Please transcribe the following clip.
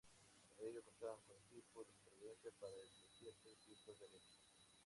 Para ello contaban con equipo de supervivencia para el desierto y filtros de arena.